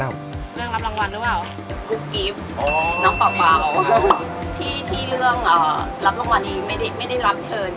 ก้าวมาข้ะ